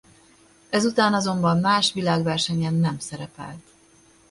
Ezután azonban más világversenyen nem szerepelt.